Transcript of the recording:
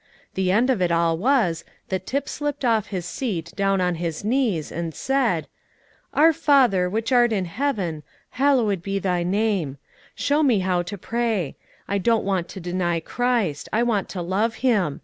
The end of it all was, that Tip slipped off his seat down on his knees, and said, "Our Father which art in heaven, hallowed be Thy name. Show me how to pray. I don't want to deny Christ. I want to love Him.